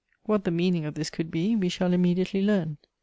What the meaning of this could be, we shall immedi ately learn.